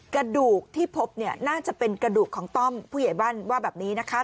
กระดูกที่พบเนี่ยน่าจะเป็นกระดูกของต้อมผู้ใหญ่บ้านว่าแบบนี้นะคะ